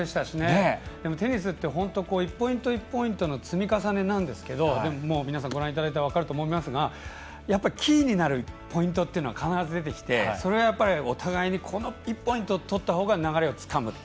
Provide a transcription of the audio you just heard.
テニスって本当に１ポイント１ポイントの積み重ねなんですけど皆さんご覧いただいて分かると思いますが、キーになるポイントっていうのは必ず出てきて、お互いにこの１ポイント取ったほうが流れをつかむ。